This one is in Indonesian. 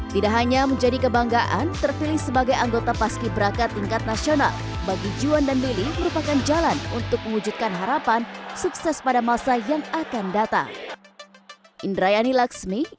tidak hanya menjadi kebanggaan terpilih sebagai anggota paski beraka tingkat nasional bagi juan dan lili merupakan jalan untuk mewujudkan harapan sukses pada masa yang akan datang